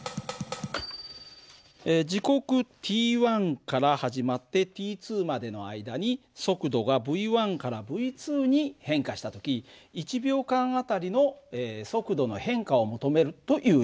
時刻ｔから始まってｔまでの間に速度がυからυに変化した時１秒間あたりの速度の変化を求めるという意味なんだ。